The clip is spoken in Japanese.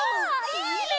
いいね！